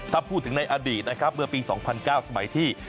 ถ้าพูดถึงในอดีตนะครับเมื่อปี๒๐๐๙สมัยที่